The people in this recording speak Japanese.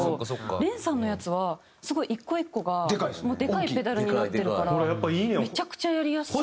ＲｅＮさんのやつはすごい１個１個がでかいペダルになってるからめちゃくちゃやりやすそうで。